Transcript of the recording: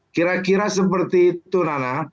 kira kira seperti itu nana